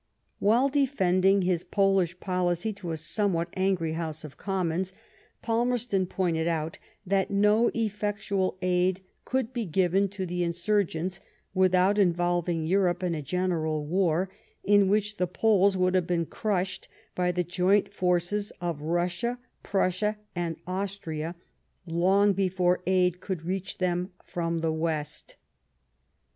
While defending his Polish policy in a somewhat angry House of Commons, Palmerston pointed out that no effectual aid could be given to the insurgents with out involvingEurope in a general war, in which the Poles would have been crushed by the joint forces of Bussia^ Prussia, and Austria, long before aid could reach them from the west.